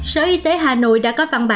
sở y tế hà nội đã có văn bản